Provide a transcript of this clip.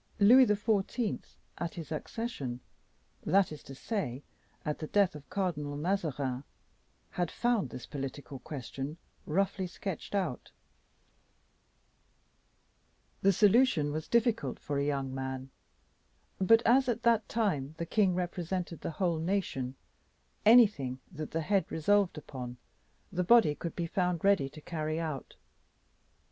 Louis XIV. at his accession, that is to say, at the death of Cardinal Mazarin, had found this political question roughly sketched out; the solution was difficult for a young man, but as, at that time, the king represented the whole nation, anything that the head resolved upon, the body would be found ready to carry out.